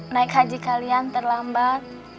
naik haji kalian terlambat